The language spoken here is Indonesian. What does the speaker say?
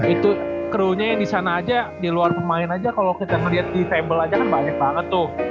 itu kru nya yang di sana aja di luar pemain aja kalau kita melihat di fabel aja kan banyak banget tuh